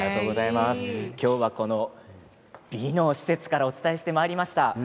今日は美の施設からお伝えしてまいりました。